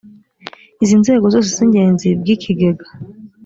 iz’inzego zose z’ingenzi by’ikigega